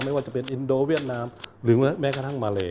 ไม่ว่าจะเป็นอินโดเวียดนามหรือแม้กระทั่งมาเล